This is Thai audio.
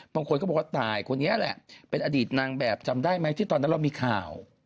บางคนก็บอกว่าตายคนนี้แหละเป็นอดีตนางแบบจำได้ไหมที่ตอนนั้นเรามีข่าว